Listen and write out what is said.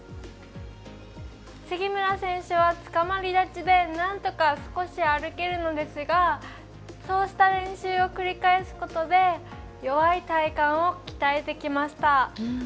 杉村選手はつかまり立ちでなんとか少し歩けるのですがそうした練習を繰り返すことで弱い体幹を鍛えてきました。